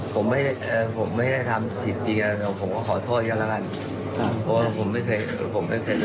หมอผมไม่ได้ทำจริงมะ่าผมขอโทษอย่างนั้น